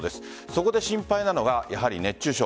そこで心配なのが、やはり熱中症。